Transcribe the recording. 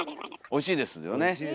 おいしいですよね。